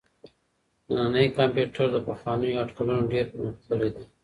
نننی کمپيوټر له پخوانيو اټکلونو ډېر پرمختللی دی.